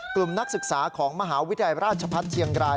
นักศึกษาของมหาวิทยาลัยราชพัฒน์เชียงราย